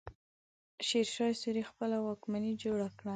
شېرشاه سوري خپله واکمني جوړه کړه.